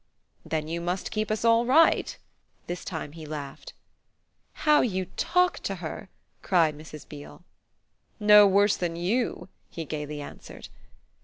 "Then you must keep us all right!" This time he laughed. "How you talk to her!" cried Mrs. Beale. "No worse than you!" he gaily answered.